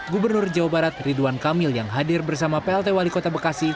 gubernur jawa barat ridwan kamil yang hadir bersama plt wali kota bekasi